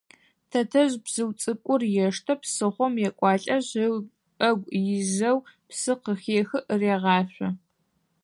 Тэтэжъ бзыу цӏыкӏур ештэ, псыхъом екӏуалӏэшъ, ыӏэгу изэу псы къыхехы, регъашъо.